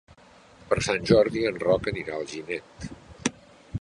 Per Sant Jordi en Roc anirà a Alginet.